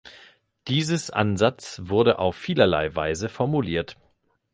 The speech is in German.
Dieses Ansatz wurde auf vielerlei Weise formuliert.